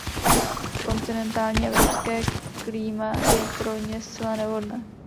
Kontinentální evropské klíma je pro ně zcela nevhodné.